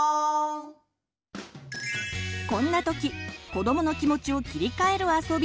こんな時子どもの気持ちを切り替えるあそび